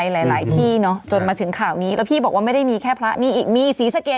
อะไรหลายที่จนมาถึงข่าวนี้แล้วพี่บอกว่าไม่ได้มีแค่พละอีกมีศรีสะเกดเสีย